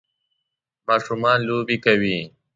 ماشومان لوبې کوي